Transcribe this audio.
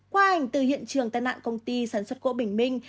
qua ảnh từ hiện trường tai nạn công ty sản xuất gỗ bình minh